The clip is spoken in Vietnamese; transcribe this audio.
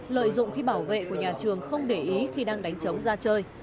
lợi dụng khi bảo vệ của nhà trường không để ý khi đang đánh trống ra chơi